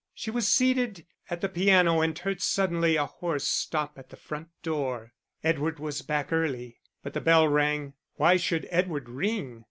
She was seated at the piano and heard suddenly a horse stop at the front door Edward was back early: but the bell rang; why should Edward ring?